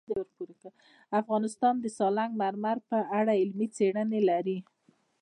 افغانستان د سنگ مرمر په اړه علمي څېړنې لري.